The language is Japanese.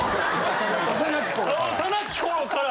幼き頃から。